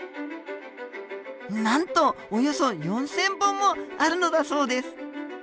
なんとおよそ４，０００本もあるのだそうです。